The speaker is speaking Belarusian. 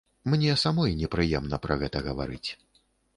Мне самой непрыемна пра гэта гаварыць.